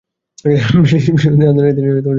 British বিরোধী আন্দোলনে তিনি সক্রিয় ভূমিকা রাখেন।